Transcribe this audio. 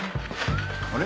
あれ？